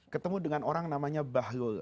ketemu dengan orang namanya bahlul